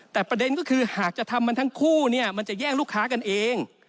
แต่ประเด็นก็คือหากจะทำมันทั้งคู่เนี่ยมันจะแย่งลูกค้ากันเอง